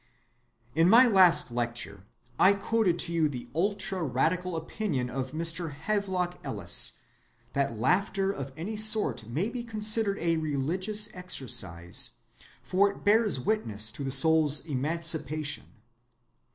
In my last lecture I quoted to you the ultra‐radical opinion of Mr. Havelock Ellis, that laughter of any sort may be considered a religious exercise, for it bears witness to the soul's emancipation.